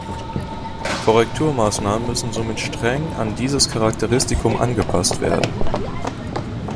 Die Korrekturmaßnahmen müssen somit streng an dieses Charakteristikum angepasst werden.